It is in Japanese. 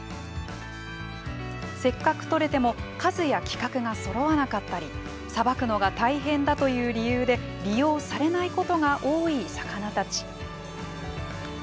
せっかく捕れても数や規格がそろわなかったりさばくのが大変だという理由で利用されないことが多い魚たち。